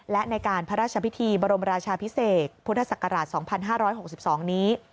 และในการพระราชพิธีบรมราชาพิเศษพุทธศักราช๒๕๖๒นี้